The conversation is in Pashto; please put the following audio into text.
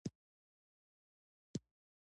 دا کلي د نجونو د پرمختګ لپاره فرصتونه برابروي.